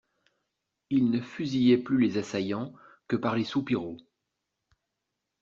Ils ne fusillaient plus les assaillants que par les soupiraux.